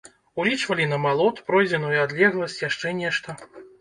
Улічвалі намалот, пройдзеную адлегласць, яшчэ нешта.